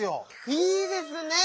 いいですねぇ！